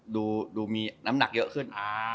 ดูมีน้ำหนักเยอะขึ้น